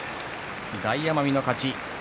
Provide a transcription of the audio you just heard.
大奄美の勝ち。